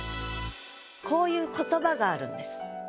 こういう言葉があるんです。